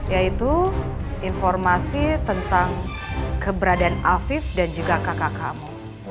yaitu informasi tentang keberadaan afif dan juga kakak kamu